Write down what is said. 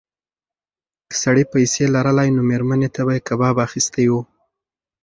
که سړي پیسې لرلای نو مېرمنې ته به یې کباب اخیستی و.